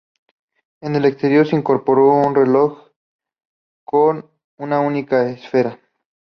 En el exterior se incorporó un reloj con una única esfera.